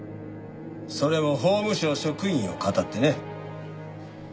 それも法務省職員を騙ってね。